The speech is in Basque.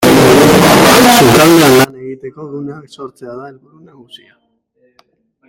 Sukaldean lan egiteko guneak sortzea da helburu nagusia.